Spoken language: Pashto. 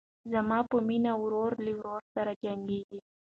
زما په مینه ورور له ورور سره جنګیږي